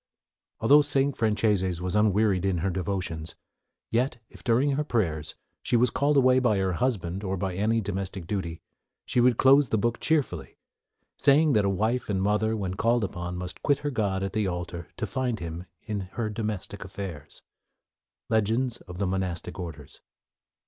"Although St. Franceses was unwearied in her devotions, yet if, during her prayers, she was called away by her husband or any domestic duty, she would close the book cheerfully, saying that a wife and a mother, when called upon, must quit her God at the alter to find Him in her domestic affairs." Legends of the Monastic Orders.